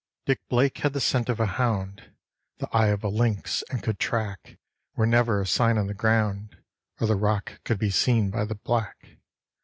Dick Blake had the scent of a hound, the eye of a lynx, and could track Where never a sign on the ground or the rock could be seen by the black.